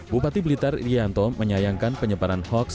bupati blitar irianto menyayangkan penyebaran hoax